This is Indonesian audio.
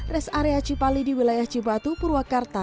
res area cipali di wilayah cibatu purwakarta